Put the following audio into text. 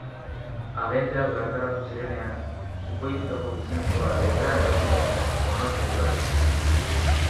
Agenteak bertaratu zirenean, jipoitutako gizonezkoa lurrean aurkitu zuten, konorterik gabe.